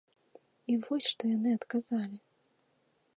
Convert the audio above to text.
І вось што яны адказалі!